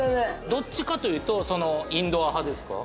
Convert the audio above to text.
どっちかというとインドア派ですか？